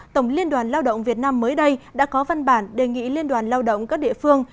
tổng liên đoàn lao động việt nam mới đây đã có văn bản đề nghị liên đoàn lao động các địa phương